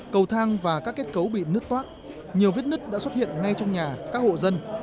cầu thang và các kết cấu bị nứt toác nhiều vết nứt đã xuất hiện ngay trong nhà các hộ dân